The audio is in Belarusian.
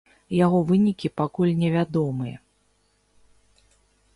Яго вынікі пакуль невядомыя.